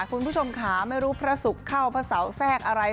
คุณผู้ชมค่ะไม่รู้พระศุกร์เข้าพระเสาแทรกอะไร